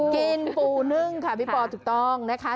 กินปูนึ่งค่ะพี่ปอถูกต้องนะคะ